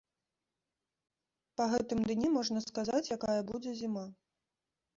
Па гэтым дні можна сказаць, якая будзе зіма.